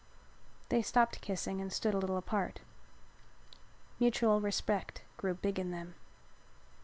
They stopped kissing and stood a little apart. Mutual respect grew big in them.